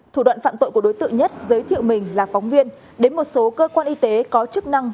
thủ đoạn phạm tội của đối tượng nhất giới thiệu mình là phóng viên đến một số cơ quan y tế có chức năng